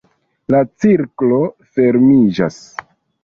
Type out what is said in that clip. La cirklo fermiĝas!